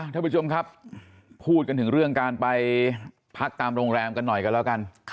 ท่านผู้ชมครับพูดกันถึงเรื่องการไปพักตามโรงแรมกันหน่อยกันแล้วกัน